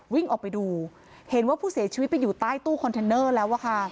วิ่งออกไปดูเห็นว่าผู้เสียชีวิตไปอยู่ใต้ตู้คอนเทนเนอร์แล้วอะค่ะ